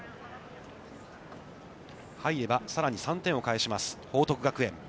入ればさらに３点を返します報徳学園。